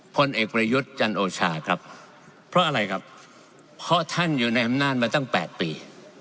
พลเอกประยุทธ์จันโอชาครับเพราะอะไรครับเพราะท่านอยู่ในอำนาจมาตั้ง๘ปี